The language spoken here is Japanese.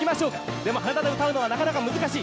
でも羽田で歌うのはなかなか難しい。